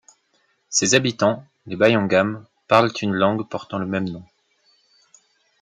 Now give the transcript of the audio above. Ses habitants, les Bayangam, parlent une langue portant le même nom.